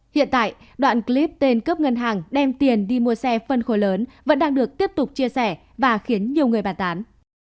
hiện tại đoạn clip tên cướp ngân hàng đem tiền đi mua xe phân khối lớn vẫn đang được tiếp tục chia sẻ và khiến nhiều người bàn tán